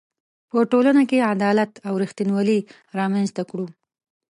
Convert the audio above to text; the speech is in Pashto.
په ټولنه کې عدالت او ریښتینولي رامنځ ته کړو.